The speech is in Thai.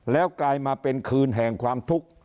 แล้วกลายมาเป็นคืนแห่งความทุกข์